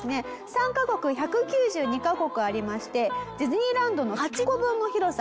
参加国１９２カ国ありましてディズニーランドの８個分の広さ。